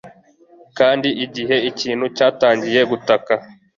kandi igihe ikintu cyatangiye gutaka